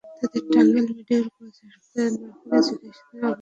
তাঁদের Tangail medical college হাসপাতালে নেওয়া হলে চিকিৎসাধীন অবস্থায় তিনজন মারা যান।